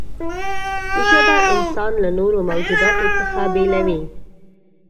ژبه انسان له نورو موجوداتو څخه بېلوي.